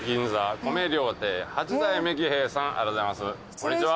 こんにちは。